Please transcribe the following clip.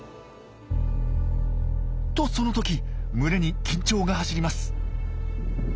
とその時群れに緊張が走ります。